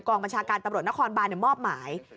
กองบัญชาการตำรวจนครบานเนี่ยมอบหมาย